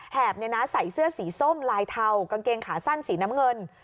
ใส่เสื้อสีส้มลายเทากางเกงขาสั้นสีน้ำเงิน